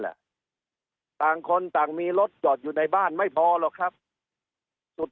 ต่างคนต่างมีรถจอดอยู่ในบ้านไม่พอหรอกครับสุด